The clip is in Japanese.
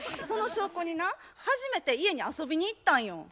その証拠にな初めて家に遊びに行ったんよ。